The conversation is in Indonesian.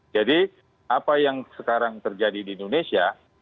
jadi apa yang sekarang terjadi di indonesia